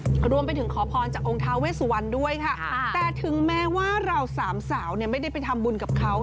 รวมไปถึงขอพรจากองค์ทาเวสวันด้วยค่ะแต่ถึงแม้ว่าเราสามสาวเนี่ยไม่ได้ไปทำบุญกับเขา